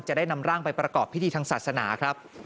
จะได้นำร่างไปประกอบพิธีทางศาสนาครับ